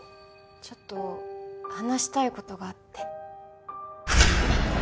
ちょっと話したい事があって。